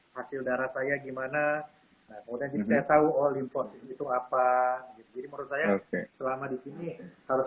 hasil darah saya gimana maksudnya saya tahu oh limpos itu apa jadi menurut saya selama di sini harus